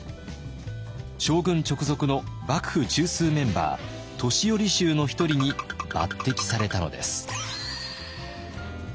将軍直属の幕府中枢メンバー年寄衆の一人に抜てきされたのです。